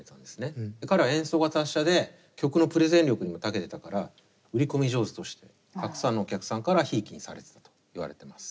彼は演奏が達者で曲のプレゼン力にもたけてたから売り込み上手としてたくさんのお客さんからひいきにされてたといわれてます。